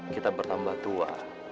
kita bertambah tua